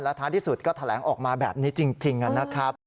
ท้ายที่สุดก็แถลงออกมาแบบนี้จริงนะครับ